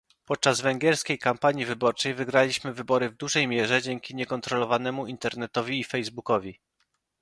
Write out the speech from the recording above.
Podczas węgierskiej kampanii wyborczej wygraliśmy wybory w dużej mierze dzięki niekontrolowanemu Internetowi i Facebookowi